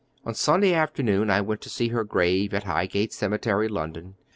One Sunday afternoon I went to her grave in Highgate Cemetery, London.